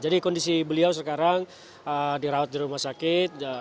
jadi kondisi beliau sekarang dirawat di rumah sakit